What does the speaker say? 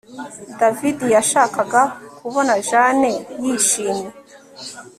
David yashakaga kubona Jane yishimye